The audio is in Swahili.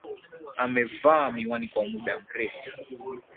Amevaa miwani kwa muda mrefu.